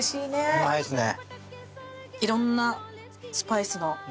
うまいですね。